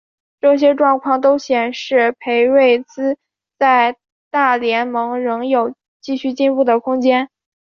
这些状况都显示裴瑞兹在大联盟仍有继续进步的空间。